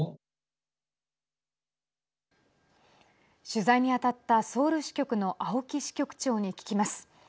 取材に当たったソウル支局の青木支局長に聞きます。